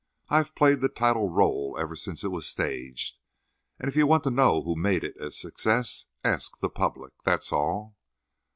I've played the title rôle ever since it was staged, and if you want to know who made it a success, ask the public—that's all."